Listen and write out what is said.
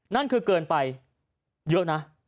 นั่นคือเกินไปเยอะนะ